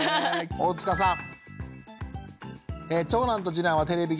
大塚さん！